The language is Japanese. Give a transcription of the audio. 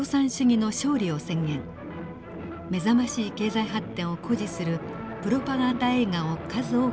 目覚ましい経済発展を誇示するプロパガンダ映画を数多く作っています。